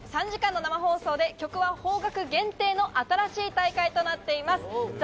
３時間の生放送で、曲は邦楽限定の新しい大会となっています。